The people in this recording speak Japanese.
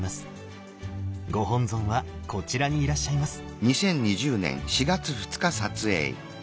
ご本尊はこちらにいらっしゃいます。